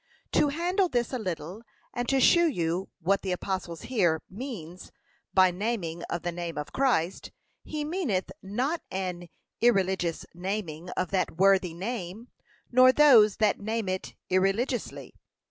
To handle this a little, and to shew you what the apostle here means by naming of the name of Christ: he meaneth not an irreligious naming of that worthy name, nor those that name it irreligiously.